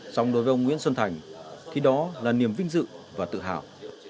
trong đối với ông nguyễn xuân thành khi đó là niềm vinh dự và tự hào